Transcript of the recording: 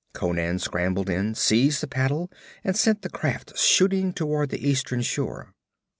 Conan scrambled in, seized the paddle and sent the craft shooting toward the eastern shore.